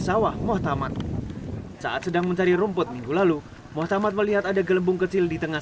sawah muhtamat saat sedang mencari rumput minggu lalu muhammad melihat ada gelembung kecil di tengah